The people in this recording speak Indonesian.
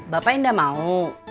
bapak indah mau